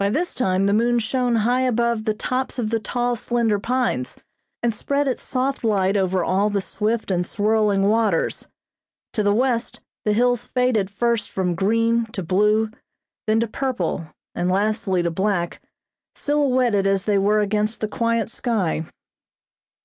By this time the moon shone high above the tops of the tall slender pines, and spread its soft light over all the swift and swirling waters. To the west, the hills faded first from green to blue, then to purple, and lastly to black, silhouetted as they were against the quiet sky.